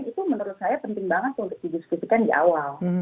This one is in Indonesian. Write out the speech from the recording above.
itu menurut saya penting banget untuk didiskusikan di awal